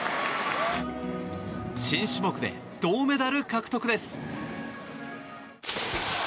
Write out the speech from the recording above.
新種目で銅メダル獲得です。